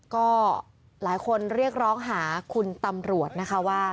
ก็หลายคนเรียกร้องหาคุณตำรวจนะคะว่า